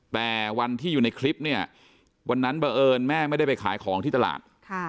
แต่วันที่อยู่ในคลิปเนี่ยวันนั้นบังเอิญแม่ไม่ได้ไปขายของที่ตลาด